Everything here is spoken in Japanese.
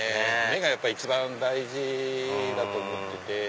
目がやっぱり一番大事だと思ってて。